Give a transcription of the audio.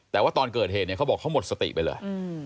แต่ว่าตอนเกิดเหตุเนี่ยเขาบอกเขาหมดสติไปเลย